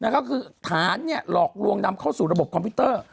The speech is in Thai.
ก็คือฐานหลอกลวงนำเข้าสู่ระบบคอมพิวเตอร์